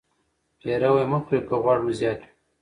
پیروي مه خورئ که غوړ مو زیات وي.